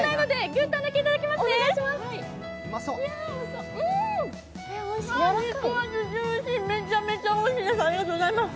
ジューシー、めちゃめちゃおいしいです。